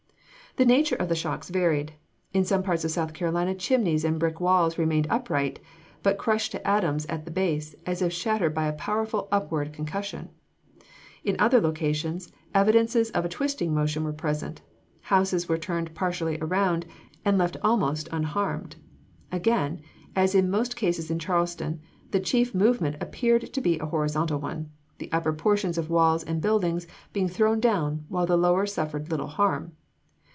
The nature of the shocks varied. In some parts of South Carolina chimneys and brick walls remained upright, but crushed to atoms at the base, as if shattered by a powerful upward concussion; in other locations, evidences of a twisting motion were present; houses were turned partially around, and left almost unharmed. Again, as in most cases in Charleston, the chief movement appeared to be a horizontal one the upper portions of walls and buildings being thrown down, while the lower suffered little harm.